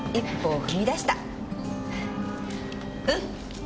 うん！